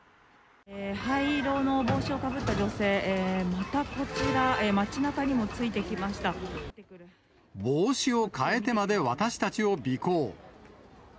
灰色の帽子をかぶった女性、またこちら、帽子を変えてまで私たちを尾行。